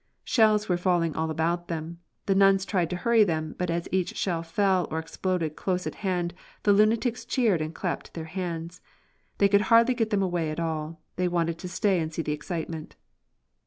Shells were falling all about them; the nuns tried to hurry them, but as each shell fell or exploded close at hand the lunatics cheered and clapped their hands. They could hardly get them away at all; they wanted to stay and see the excitement."